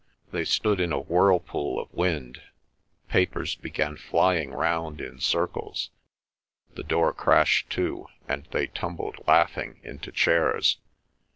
They stood in a whirlpool of wind; papers began flying round in circles, the door crashed to, and they tumbled, laughing, into chairs.